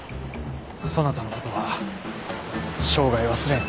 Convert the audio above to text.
そなたのことは生涯忘れん。